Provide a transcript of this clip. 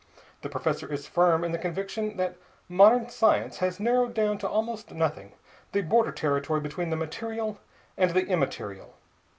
The professor is firm in the conviction that modern science has narrowed down to almost nothing the border territory between the material and the immaterial.